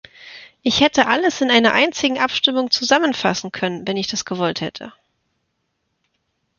Ich hätte alles in einer einzigen Abstimmung zusammenfassen können, wenn ich das gewollt hätte.